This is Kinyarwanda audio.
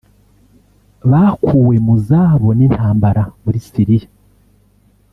bakuwe mu zabo n'intambara muri Syria